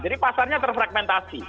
jadi pasarnya terfragmentasi